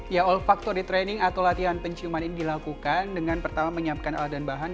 ya olfactori training atau latihan penciuman ini dilakukan dengan pertama menyiapkan alat dan bahan